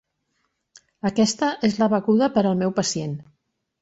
Aquesta és la beguda per al meu pacient.